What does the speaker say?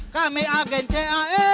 kami agen cae